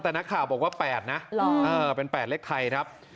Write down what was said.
แต่นักข่าวบอกว่าแปดนะหรอเออเป็นแปดเลขไทยครับ